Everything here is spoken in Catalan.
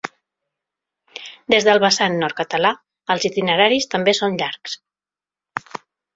Des del vessant nord-català, els itineraris també són llargs.